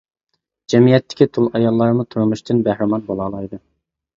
جەمئىيەتتىكى تۇل ئاياللارمۇ تۇرمۇشتىن بەھرىمەن بولالايدۇ.